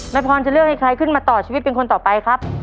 พรจะเลือกให้ใครขึ้นมาต่อชีวิตเป็นคนต่อไปครับ